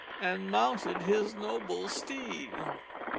and mounted his noble steed.